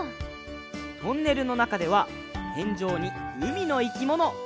トンネルのなかではてんじょうにうみのいきもの。